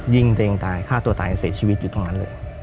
ยิงตัวเองตายฆ่าตัวตายเสียชีวิตอยู่ตรงนั้นเลย